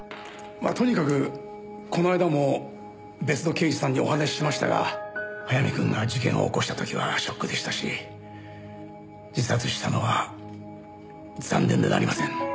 まあとにかくこの間も別の刑事さんにお話ししましたが早見君が事件を起こした時はショックでしたし自殺したのは残念でなりません。